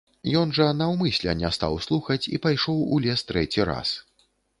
Ён жа наўмысля не стаў слухаць і пайшоў у лес трэці раз.